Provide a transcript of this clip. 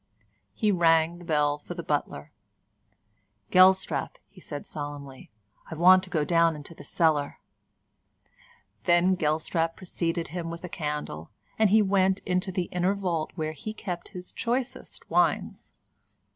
He rang the bell for the butler. "Gelstrap," he said solemnly, "I want to go down into the cellar." Then Gelstrap preceded him with a candle, and he went into the inner vault where he kept his choicest wines.